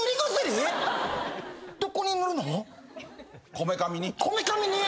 こめかみに！？